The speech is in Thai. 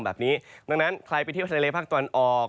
แบบนี้ดังนั้นใครไปเที่ยวทะเลภาคตะวันออก